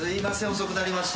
遅くなりまして。